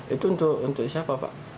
itu untuk siapa pak